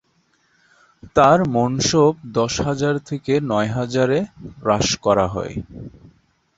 তাঁর মনসব দশ হাজার থেকে নয় হাজারে হ্রাস করা হয়।